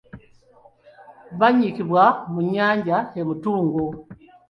Bannyikibwa mu nnyanja e Mutungo.